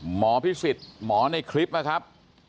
หมอพิษิฎหมอในคลิปนะครับ